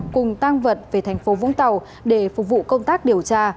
cùng tăng vật về thành phố vũng tàu để phục vụ công tác điều tra